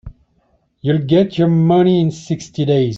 You'll get your money in sixty days.